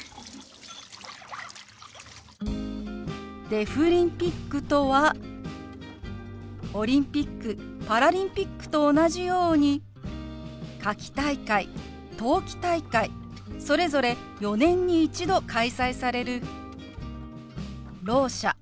「デフリンピック」とはオリンピックパラリンピックと同じように夏季大会冬季大会それぞれ４年に一度開催されるろう者